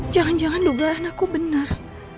jangan jangan duga anakku benar